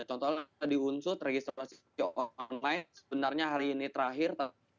contohnya tadi unsut registrasi online sebenarnya hari ini terakhir